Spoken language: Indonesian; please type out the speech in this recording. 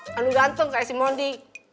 kanu ganteng kayak si mondi